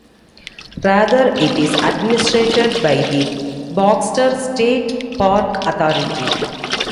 Rather it is administered by the Baxter State Park Authority.